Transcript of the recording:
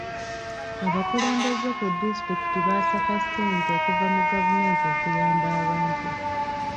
Abakulembeze ku disitulikiti baasaka ssente okuva mu gavumenti okuyamba abantu.